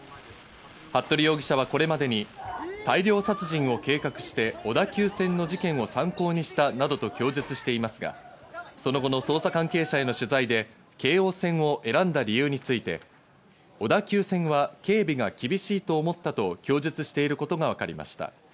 服部容疑者はこれまでに大量殺人を計画して小田急線の事件を参考にしたなどと供述していますが、その後の捜査関係者への取材で、京王線を選んだ理由について、小田急線は警備が厳しいと思ったと供述していることがわかりました。